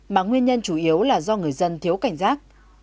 mà nguyên nhân chủ yếu là do người dân thiếu cảnh giác